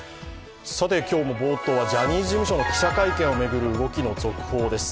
今日も冒頭はジャニーズ事務所の記者会見を巡る動きの続報です。